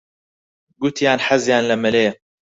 گوتیان حەزیان لە مەلەیە.